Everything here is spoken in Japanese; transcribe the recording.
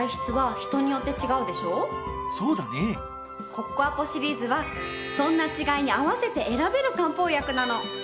コッコアポシリーズはそんな違いに合わせて選べる漢方薬なの。